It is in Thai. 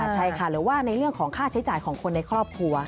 ใช่ค่ะหรือว่าในเรื่องของค่าใช้จ่ายของคนในครอบครัว